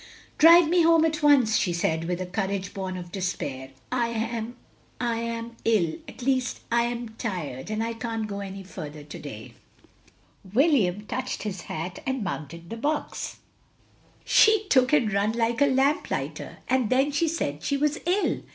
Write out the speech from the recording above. "Drive me home at once," she said with a courage bom of despair. "I am — I am ill; at least I am tired — and I can't go any further to day." io6 THE LONELY LADY William touched his hat and mounted the box, " She took and run like a lamplighter, and then she said she was ill!"